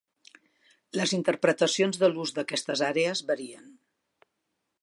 Les interpretacions de l'ús d'aquestes àrees varien.